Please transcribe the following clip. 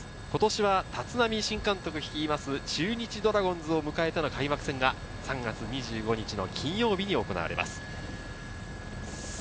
今年は立浪新監督率いる中日ドラゴンズを迎えての開幕戦が３月２５日、金曜日に行われます。